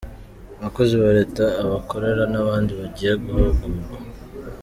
Abakozi ba Leta, abakorera n’abandi bagiye guhugurwa.